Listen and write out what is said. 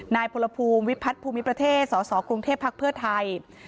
นายพลภูมิวิพัฒน์ภูมิประเทศสสกรุงเทพภักดิ์เพื่อไทย